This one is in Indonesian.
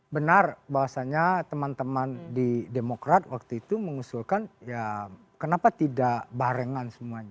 benar bahwasannya teman teman di demokrat waktu itu mengusulkan ya kenapa tidak barengan semuanya